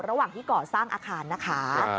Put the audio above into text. ระหว่างที่ก่อสร้างอาคารนะคะ